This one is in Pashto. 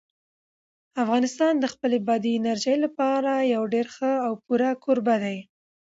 افغانستان د خپلې بادي انرژي لپاره یو ډېر ښه او پوره کوربه دی.